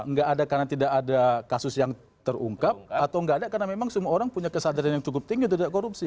nggak ada karena tidak ada kasus yang terungkap atau nggak ada karena memang semua orang punya kesadaran yang cukup tinggi untuk tidak korupsi